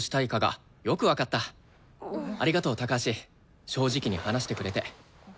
ありがとう高橋正直に話してくれて。